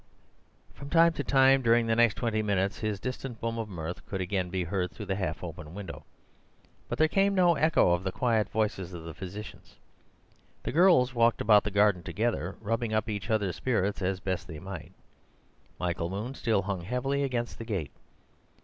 From time to time during the next twenty minutes his distant boom of mirth could again be heard through the half open window; but there came no echo of the quiet voices of the physicians. The girls walked about the garden together, rubbing up each other's spirits as best they might; Michael Moon still hung heavily against the gate.